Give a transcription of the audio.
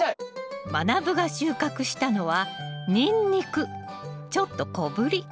まなぶが収穫したのはちょっと小ぶり。